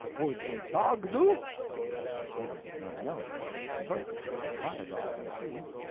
Would a dog do?" I said I did not know, but we could try a dog and see.